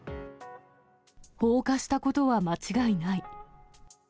放火したことは間違いない。